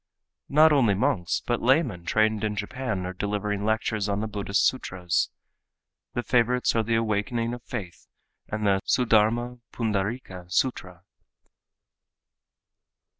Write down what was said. Not only monks, but laymen trained in Japan are delivering lectures on the Buddhist sutras. The favorites are the Awakening of Faith and the Suddharma Pundarika sutra.